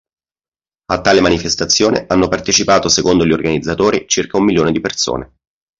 A tale manifestazione hanno partecipato secondo gli organizzatori circa un milione di persone.